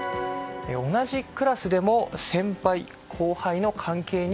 同じクラスでも先輩・後輩の関係に？